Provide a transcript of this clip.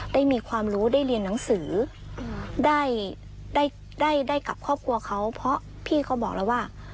ได้มีความรู้ได้เรียนหนังสือได้ได้กับครอบครัวเขาเพราะพี่เขาบอกแล้วว่า